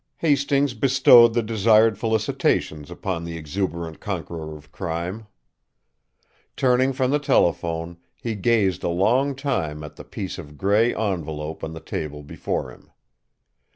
Hastings bestowed the desired felicitations upon the exuberant conqueror of crime. Turning from the telephone, he gazed a long time at the piece of grey envelope on the table before him.